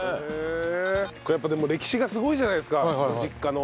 やっぱでも歴史がすごいじゃないですかご実家の。